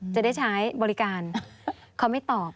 จะได้ใช้บริการเขาไม่ตอบ